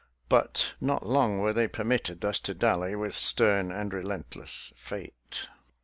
But not long were they permitted thus to dally with stern and relentless fate.